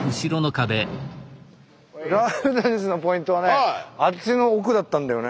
ＬＯＵＤＮＥＳＳのポイントはねあっちの奥だったんだよね。